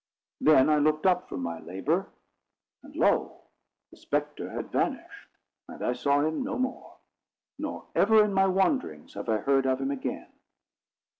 Then I looked up from my labour, and lo! the spectre had vanished, and I saw him no more; nor ever in my wanderings have I heard of him again."